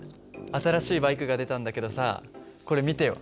新しいバイクが出たんだけどさこれ見てよ